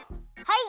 はい！